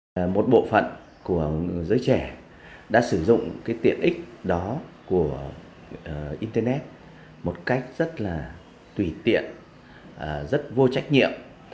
các hãng bảo mật của giới trẻ đã sử dụng cái tiện ích đó của internet một cách rất là tùy tiện rất vô trách nhiệm